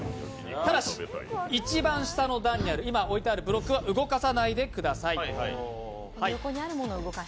ただし、一番下の段にある、今置いてあるブロックは動かさないでください。